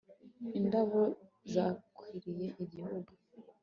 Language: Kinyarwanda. indabo zakwiriye igihugu